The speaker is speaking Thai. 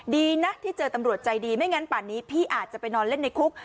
ดีนะที่เจอตำรวจใจดีไม่งั้นป่านนี้พี่อาจจะไปนอนเล่นในคุก